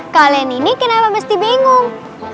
kalian ini kenapa mesti bingung